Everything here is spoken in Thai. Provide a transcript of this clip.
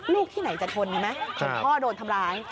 ลูกที่ไหนจะทนใช่ไหมจนพ่อโดนทำร้าย